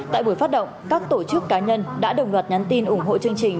tại buổi phát động các tổ chức cá nhân đã đồng loạt nhắn tin ủng hộ chương trình